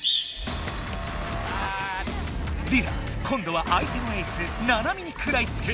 リラ今度は相手のエースナナミにくらいつく。